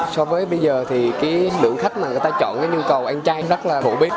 so với bây giờ thì cái lượng khách mà người ta chọn cái nhu cầu ăn chay rất là hữu bí